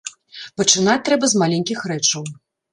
Пачынаць трэба з маленькіх рэчаў.